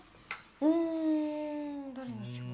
んんどれにしよう。